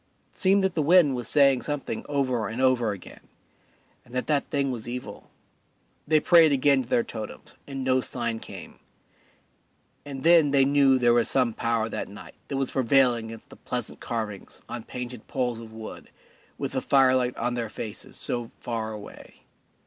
It seemed that the wind was saying something over and over again, and that that thing was evil. They prayed again to their totems, and no sign came. And then they knew that there was some power that night that was prevailing against the pleasant carvings on painted poles of wood with the firelight on their faces so far away.